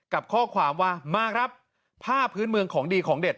กับข้อความว่ามาครับผ้าพื้นเมืองของดีของเด็ด